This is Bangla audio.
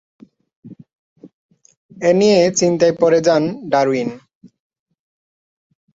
এ নিয়ে চিন্তায় পড়ে যান ডারউইন।